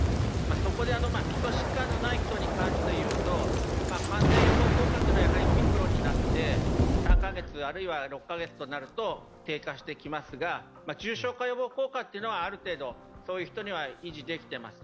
そこで基礎疾患のない人に関していうと、感染予防効果はやはりオミクロン株になって、３カ月、あるいは６カ月になると低下してきますが、重症化予防効果というのはある程度、そういう人には維持できてます。